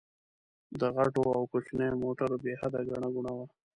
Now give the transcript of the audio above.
د غټو او کوچنيو موټرو بې حده ګڼه ګوڼه وه.